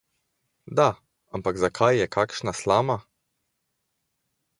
Da, ampak zakaj je kakšna slama?